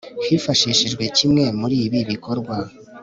hifashishijwe kimwe muri ibi bikorwa